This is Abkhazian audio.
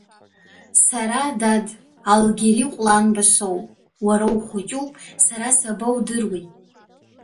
Сара, дад, Алгьери Ҟәланба соуп, уара ухәыҷуп, сара сабаудыруеи.